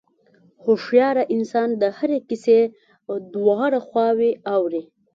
هوښیار انسان د هرې کیسې دواړه خواوې اوري.